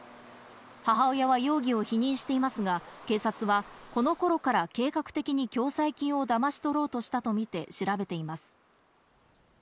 母親は容疑を否認していますが、警察はこの頃から計画的に共済金をだまし取ろうとしたとみて調べています。